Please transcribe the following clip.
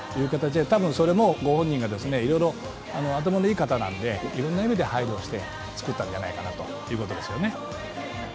多分それもご本人が、頭のいい方なのでいろいろな意味で配慮して作ったんじゃないかということですよね。